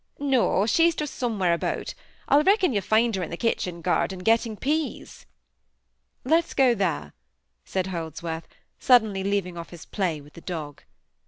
"No! She's just somewhere about. I reckon you'll find her in the kitchen garden, getting peas. "Let us go there," said Holdsworth, suddenly leaving off his play with the dog.